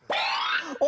お！